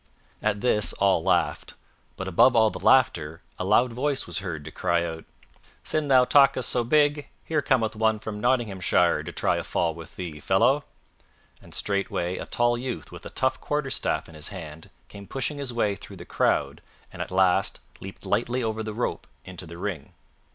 At this all laughed; but above all the laughter a loud voice was heard to cry out, "Sin' thou talkest so big, here cometh one from Nottinghamshire to try a fall with thee, fellow;" and straightway a tall youth with a tough quarterstaff in his hand came pushing his way through the crowd and at last leaped lightly over the rope into the ring.